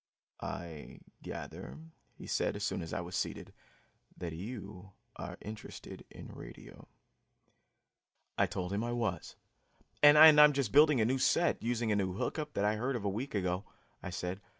"I gather," he said as soon as I was seated, "that you are interested in radio." I told him I was. "And I'm just building a new set, using a new hook up that I heard of a week ago," I said.